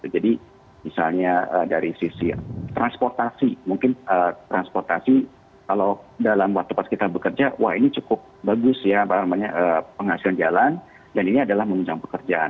jadi misalnya dari sisi transportasi mungkin transportasi kalau dalam waktu pas kita bekerja wah ini cukup bagus ya penghasilan jalan dan ini adalah menunjang pekerjaan